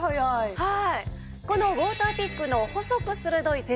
はい。